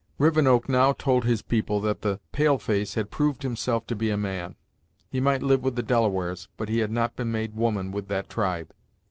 Rivenoak now told his people that the pale face had proved himself to be a man. He might live with the Delawares, but he had not been made woman with that tribe.